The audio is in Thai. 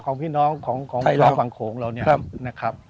ของพี่น้องฝั่งโขงค์เราเนี่ยนะครับ